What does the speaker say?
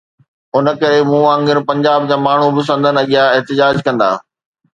ان ڪري مون وانگر پنجاب جا ماڻهو به سندن اڳيان احتجاج ڪندا.